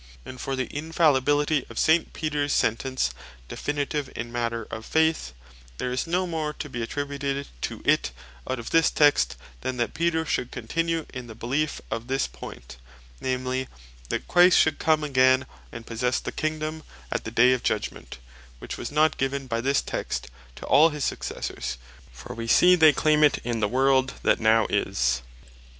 And for the Infallibility of St. Peters sentence definitive in matter of Faith, there is no more to be attributed to it out of this Text, than that Peter should continue in the beleef of this point, namely, that Christ should come again, and possesse the Kingdome at the day of Judgement; which was not given by the Text to all his Successors; for wee see they claim it in the World that now is.